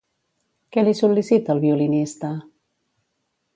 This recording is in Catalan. Què li sol·licita el violinista?